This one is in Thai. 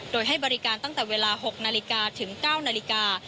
โดยให้บริการตั้งแต่เวลา๖นาฬิกาถึง๙นาฬิกา